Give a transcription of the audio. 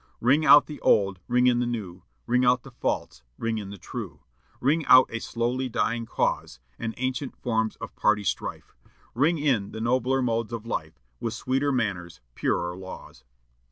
"'Ring out the old, ring in the new! Ring out the false, ring in the true! Ring out a slowly dying cause, And ancient forms of party strife! Ring in the nobler modes of life, With sweeter manners, purer laws.'"